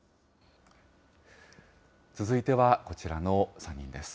続いてはこちらの３人です。